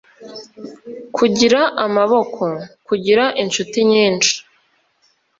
kugira amaboko: kugira inshuti nyinshi.